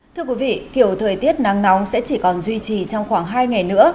thưa quý vị kiểu thời tiết nắng nóng sẽ chỉ còn duy trì trong khoảng hai ngày nữa